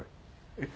えっ？